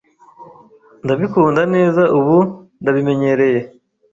Ndabikunda neza ubu ndabimenyereye.